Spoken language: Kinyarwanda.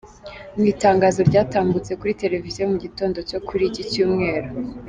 Mu Itangazo ryatambutse kuri Televiziyo mu gitondo cyo kuri ’iki cyumweru,.